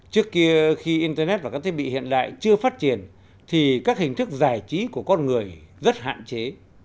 trước kia khi internet và các thiết bị hiện đại chưa phát triển thì các hình thức giải trí của con người rất hạn chế